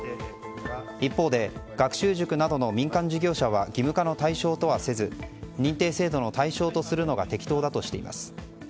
一方で学習塾などの民間事業者は義務化の対象とはせず認定制度の対象とするのが適当だとしています。